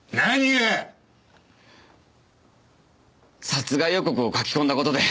殺害予告を書き込んだ事で。